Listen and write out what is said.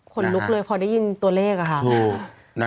คนลุกเลยพอได้ยินตัวเลขอะค่ะ